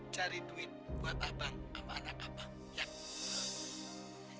cari duit buat abang sama anak abang